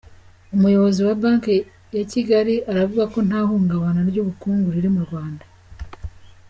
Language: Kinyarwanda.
Umuyobozi wa banke yakigali aravuga ko nta hungabana ry’ubukungu riri mu Rwanda